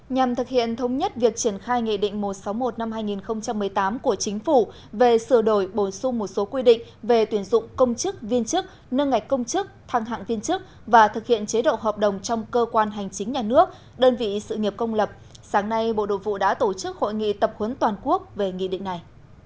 nhằm thực hiện thống nhất việc triển khai nghị định một trăm sáu mươi một năm hai nghìn một mươi tám của chính phủ về sửa đổi bổ sung một số quy định về tuyển dụng công chức viên chức nâng ngạch công chức thăng hạng viên chức và thực hiện chế độ hợp đồng trong cơ quan hành chính nhà nước đơn vị sự nghiệp công lập sáng nay bộ đội vụ đã tổ chức hội nghị tập huấn toàn quốc về nghị định này